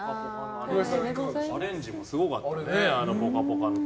アレンジもすごかったね。